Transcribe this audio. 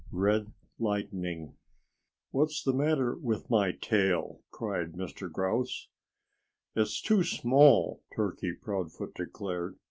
XVIII RED LIGHTNING "What's the matter with my tail!" cried Mr. Grouse. "It's too small," Turkey Proudfoot declared.